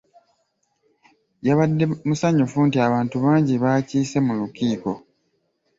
Yabadde musanyufu nti abantu bangi bakiise mu lukiiko.